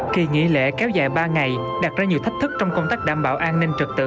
kỳ nghỉ lễ kéo dài ba ngày đặt ra nhiều thách thức trong công tác đảm bảo an ninh trật tự